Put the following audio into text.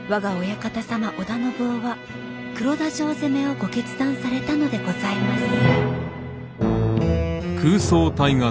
小田信夫は黒田城攻めをご決断されたのでございます